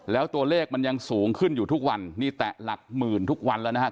แล้วตัวเลขมันยังสูงขึ้นอยู่ทุกวันนี่แตะหลักหมื่นทุกวันแล้วนะฮะ